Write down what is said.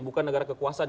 bukan negara kekuasaan